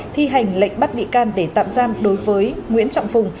thi hành lệnh bắt bị can để tạm giam đối với nguyễn trọng phùng